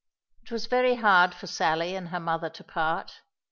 It was very hard for Sally and her mother to part.